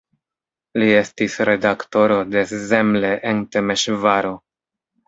Li estis redaktoro de "Szemle" de Temeŝvaro.